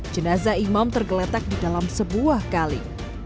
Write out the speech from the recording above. jenazah imam tergeletak di dalam sebuah kali